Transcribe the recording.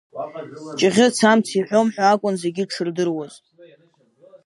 Ҷыӷьыц амц иҳәом ҳәа акәын зегьы дшырдыруаз.